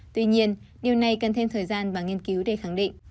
tuy nhiên điều này cần thêm thời gian và nghiên cứu để khẳng định